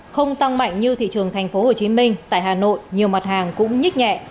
không tăng mạnh như thị trường tp hcm tại hà nội nhiều mặt hàng cũng nhích nhẹ